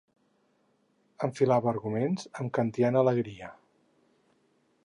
Enfilava arguments amb kantiana alegria.